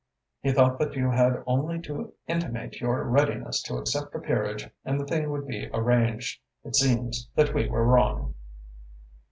He thought that you had only to intimate your readiness to accept a peerage and the thing would be arranged. It seems that we were wrong."